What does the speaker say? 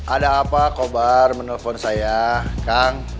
ada apa kobar menelpon saya kan